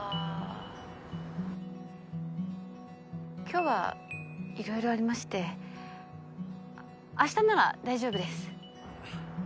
今日は色々ありまして明日なら大丈夫です。